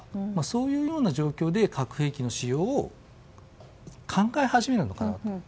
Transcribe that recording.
そういうような状況で核兵器の使用を考え始めるのかなと。